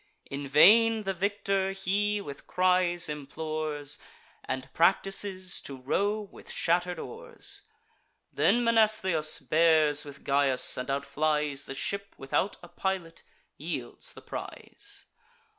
In vain the victor he with cries implores, And practices to row with shatter'd oars. Then Mnestheus bears with Gyas, and outflies: The ship, without a pilot, yields the prize.